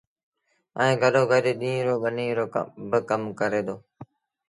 ائيٚݩ گڏو گڏ ڏيٚݩهݩ رو ٻنيٚ رو با ڪم ڪري دو۔